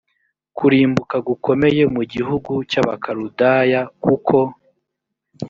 kurimbuka gukomeye mu gihugu cy abakaludaya kuko